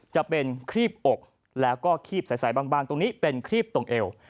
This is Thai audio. จะเป็นครีบอกแล้วก็ครีบใสบางตรงนี้เป็นครีบตรงเอว